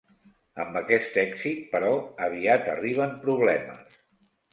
Amb aquest èxit, però, aviat arriben problemes.